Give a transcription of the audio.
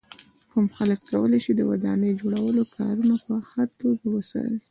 کوم خلک کولای شي د ودانۍ جوړولو کارونه په ښه توګه وڅاري.